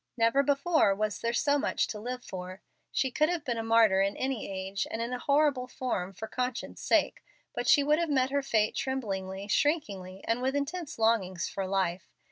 Never before was there so much to live for. She could have been a martyr in any age and in any horrible form for conscience' sake, but she would have met her fate tremblingly, shrinkingly, and with intense longings for life.